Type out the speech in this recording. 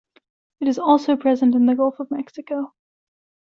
It is also present in the Gulf of Mexico.